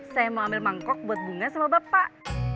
saya mau ambil mangkok buat bunga sama bapak